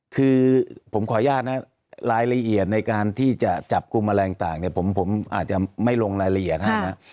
คือผมขออนุญาตนะรายละเอียดในการที่จะจับกลุ่มอะไรต่างเนี่ยผมอาจจะไม่ลงรายละเอียดนะครับ